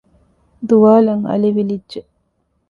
ދުވާލަށް އަލި ވިލިއްޖެ